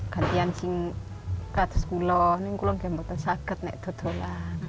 gantian singkat sepuluh sepuluh kembatan sakit nek tutulah